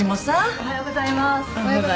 おはようございます。